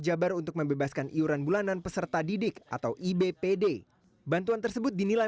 jabar untuk membebaskan iuran bulanan peserta didik atau ibpd bantuan tersebut dinilai